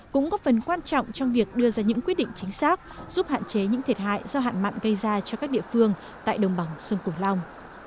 cũng góp phần quan trọng trong việc đưa ra những quyết định chính xác giúp hạn chế những thiệt hại do hạn mặn gây ra cho các địa phương tại đồng bằng sông cửu long